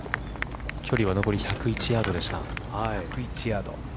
距離は残り１０１ヤードでした。